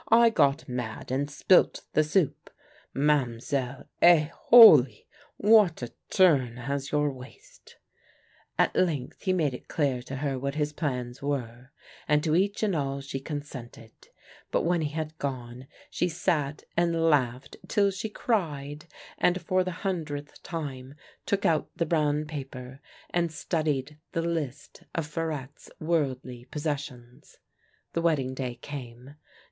I got mad and spilt the soup. Ma'm'selle — eh, holy ! what a turn has your waist !" At length he made it clear to her what his plans were, and to each and all she consented ; but when he had gone she sat and laughed till she cried, and for the hundredth time look out the brown paper and studied the list of Farette's worldly possessions. The wedding day came.